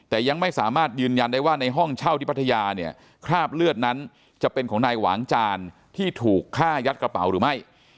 แต่ยังไม่สามารถยืนยันได้ว่าในห้องเช่าที่พัทยาเนี่ยคราบเลือดนั้นจะเป็นของนายหวางจานที่ถูกฆ่ายัดกระเป๋าหรือไม่